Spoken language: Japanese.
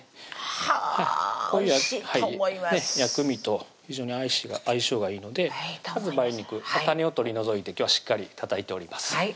はぁおいしいと思います薬味と非常に相性がいいのでまず梅肉種を取り除いて今日はしっかりたたいております